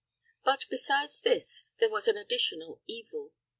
But besides this there was an additional evil.